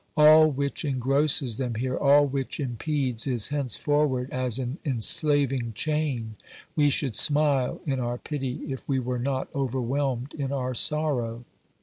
All which engrosses them here, all which impedes, is henceforward as an enslaving chain ; we should smile in our pity if we were not overwhelmed in our sorrow.